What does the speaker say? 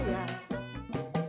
kamu sama amin